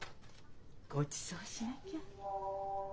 ごちそうしなきゃ。